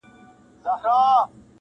دا ټوټې وي تر زرګونو رسېدلي.